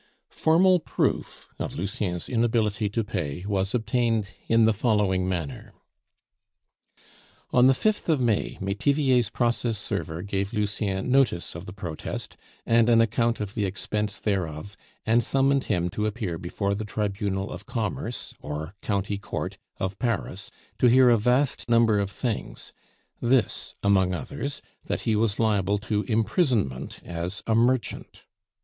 Formal proof of Lucien's inability to pay was obtained in the following manner: On the 5th of May, Metivier's process server gave Lucien notice of the protest and an account of the expense thereof, and summoned him to appear before the Tribunal of Commerce, or County Court, of Paris, to hear a vast number of things: this, among others, that he was liable to imprisonment as a merchant.